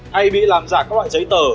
hay bị làm giả các loại giấy tờ